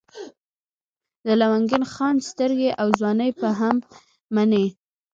د لونګین خان سترګې او ځواني به هم منئ.